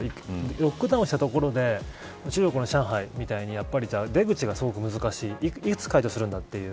ロックダウンしたところで中国の上海みたいに出口がすごく難しいいつ解除するんだという。